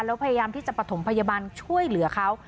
แล้วพยายามที่จะประถมพยาบาลช่วยเหลือเขา